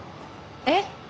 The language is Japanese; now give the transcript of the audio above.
えっ？